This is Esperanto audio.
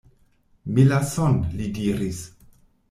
"Melason," li diris.